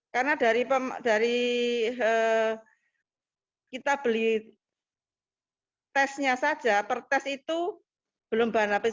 karena dari kita beli tesnya saja per tes itu belum bahan